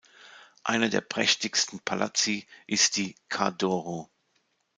Einer der prächtigsten Palazzi ist die Ca’ d’Oro.